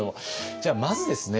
じゃあまずですね